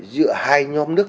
giữa hai nhóm nước